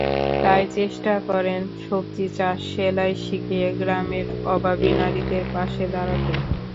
তাই চেষ্টা করেন সবজি চাষ, সেলাই শিখিয়ে গ্রামের অভাবী নারীদের পাশে দাঁড়াতে।